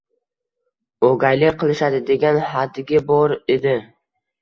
O`gaylik qilishadi, degan hadigi bor edi